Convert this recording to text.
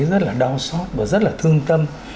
rất là đau xót và rất là thương tâm